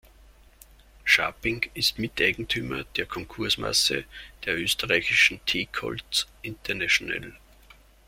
Scharping ist Miteigentümer der Konkursmasse der österreichischen Teak Holz International.